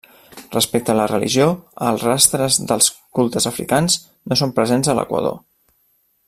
Respecte a la religió, els rastres dels cultes africans no són presents a l'Equador.